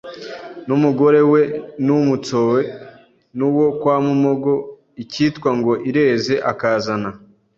N’umugore we N’Umutsoe N’uwo kwa Mumogo ikitwa ngo ireze akazana